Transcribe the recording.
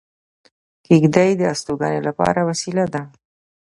کېږدۍ د استوګنې لپاره وسیله ده